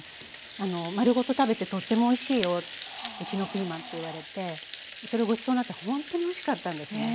「丸ごと食べてとってもおいしいようちのピーマン」って言われてそれごちそうになってほんとにおいしかったんですね。